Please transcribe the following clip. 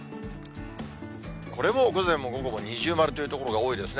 これも、午前も午後も二重丸という所が多いですね。